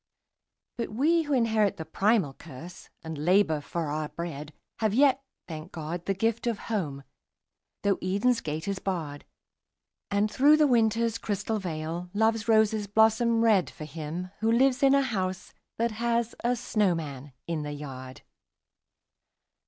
But we who inherit the primal curse, and labour for our bread, Have yet, thank God, the gift of Home, though Eden's gate is barred: And through the Winter's crystal veil, Love's roses blossom red, For him who lives in a house that has a snowman in the yard.